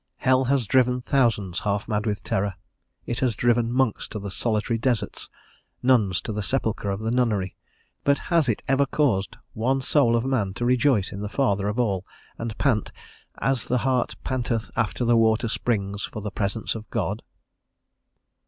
Hell has driven thousands half mad with terror, it has driven monks to the solitary deserts, nuns to the sepulchre of the nunnery, but has it ever caused one soul of man to rejoice in the Father of all, and pant, "as the hart panteth after the water springs, for the presence of God"?